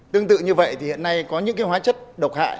tương tự như vậy thì hiện nay có những hóa chất độc hại